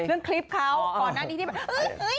เรื่องคลิปเขาก่อนหน้าที่ที่